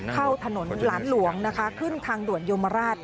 เข้าถนนหลานหลวงนะคะขึ้นทางด่วนโยมราช